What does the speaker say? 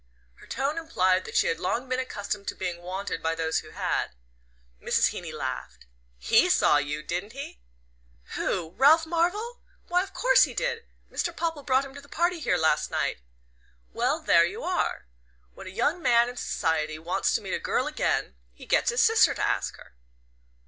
Her tone implied that she had long been accustomed to being "wanted" by those who had. Mrs. Heeny laughed. "HE saw you, didn't he?" "Who? Ralph Marvell? Why, of course he did Mr. Popple brought him to the party here last night." "Well, there you are... When a young man in society wants to meet a girl again, he gets his sister to ask her."